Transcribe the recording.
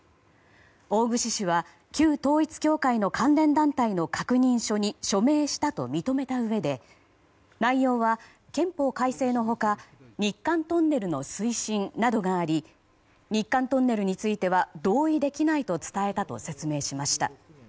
大串氏は旧統一教会の関連団体の確認書に署名したと認めたうえで内容は憲法改正の他日韓トンネルの推進などがあり日韓トンネルについては同意できないと伝えたと説明しました。